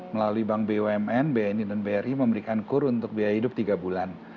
melalui bank bumn bni dan bri memberikan kur untuk biaya hidup tiga bulan